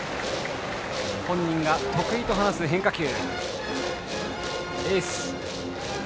本人が得意と話す変化球。